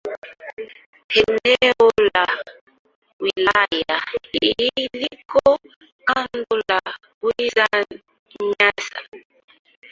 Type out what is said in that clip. Eneo la wilaya hii liko kando la Ziwa Nyasa.